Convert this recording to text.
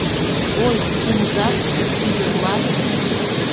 Ой, кумжат, кӱдырлат.